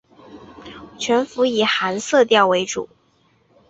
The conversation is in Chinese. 全幅以寒色调为主